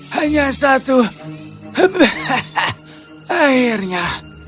hanya satu akhirnya